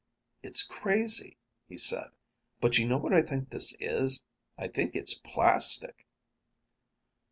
"It's crazy," he said. "But you know what I think this is? I think it's plastic!"